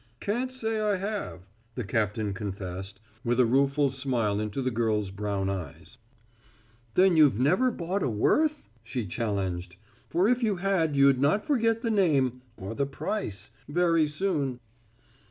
"Can't say I have," the captain confessed, with a rueful smile into the girl's brown eyes. "Then you've never bought a Worth?" she challenged. "For if you had you'd not forget the name or the price very soon."